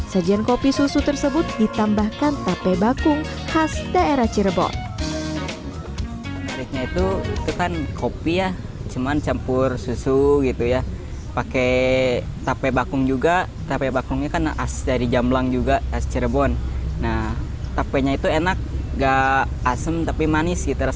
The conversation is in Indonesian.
sajian kopi susu tersebut ditambahkan tape bakung khas daerah cirebon